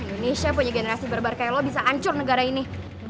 indonesia punya generasi berbar kayak lo bisa hancur negara ini